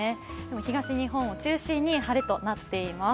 東日本を中心に晴れとなっています。